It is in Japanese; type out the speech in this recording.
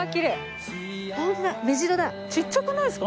ちっちゃくないですか？